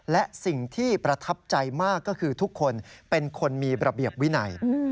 และสิ่งที่ประทับใจมากก็คือทุกคนเป็นคนมีระเบียบวินัย